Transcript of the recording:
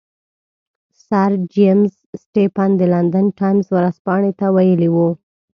سر جیمز سټیفن د لندن ټایمز ورځپاڼې ته ویلي وو.